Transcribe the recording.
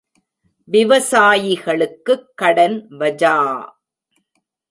விவசாயிகளுக்குக் கடன் வஜா!